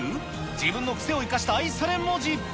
自分の癖を生かした愛され文字。